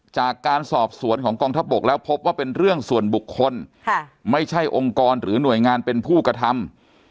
จากการสอบสวนของกองทัพบกแล้วพบว่าเป็นเรื่องส่วนบุคคลไม่ใช่องค์กรหรือหน่วยงานเป็นผู้กระทำ